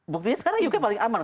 buktinya sekarang uk paling aman